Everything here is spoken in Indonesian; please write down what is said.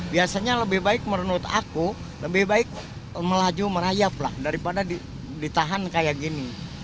biasanya lebih baik menurut aku lebih baik melaju merayap lah daripada di ditahanlah